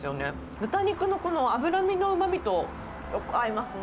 豚肉のこの脂身のうまみと、よく合いますね。